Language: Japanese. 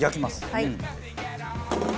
はい。